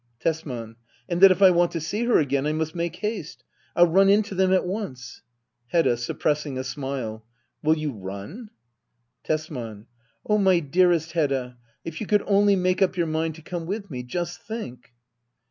Tesman. And that if I want to see her again, I must make haste. I'll run in to them at once. Hedda. [Suppressing a smile,'] Will you run ? Tesman. Oh, my dearest Hedda — if you could only make up your mind to come with me ! Just think